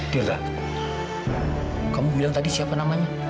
della kamu bilang tadi siapa namanya